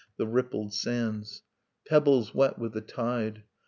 . .the rippled sands. Pebbles wet with the tide.